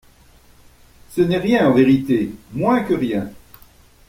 Ce n'est rien, en vérité, moins que rien!